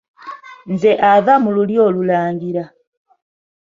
Nze ava mu lulyo olulangira.